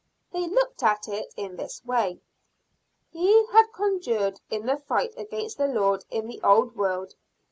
They looked at it in this way. He had conquered in the fight against the Lord in the old world.